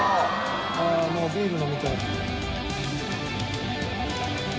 ああもうビール飲みたい。